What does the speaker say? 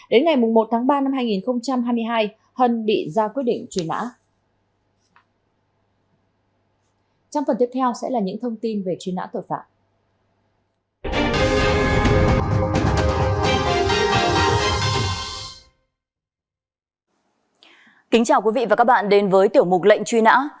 đến ngày một tháng ba năm hai nghìn hai mươi hai hân bị ra quy định truy nã